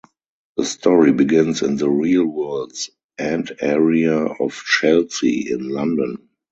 The story begins in the real World's End area of Chelsea in London.